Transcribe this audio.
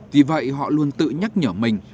vì vậy họ luôn tự nhắc nhở mình